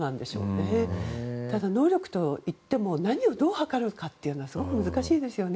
能力といっても何をどう測るのかすごく難しいですよね。